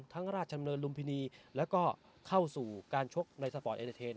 ราชดำเนินลุมพินีแล้วก็เข้าสู่การชกในสปอร์ตเอเตอร์เทน